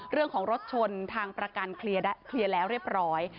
เรื่องของรถชนทางประกันเคลียร์แล้วเรียบร้อย